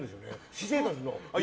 私生活の。